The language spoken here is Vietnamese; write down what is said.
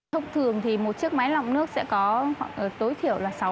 thông thường thì một chiếc máy lọc nước sẽ có tối thiểu là sáu